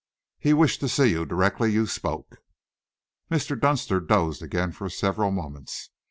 He wished to see you directly you spoke." Mr. Dunster dozed again for several moments.